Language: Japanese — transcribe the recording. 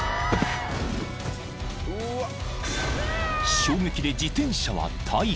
［衝撃で自転車は大破］